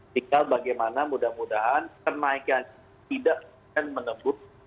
tinggal bagaimana mudah mudahan kenaikan tidak akan menembus